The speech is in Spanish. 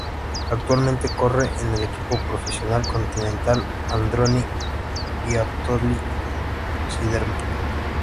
Actualmente corre en el equipo Profesional Continental Androni Giocattoli-Sidermec.